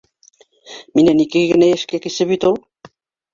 Минән ике генә йәшкә кесе бит ул!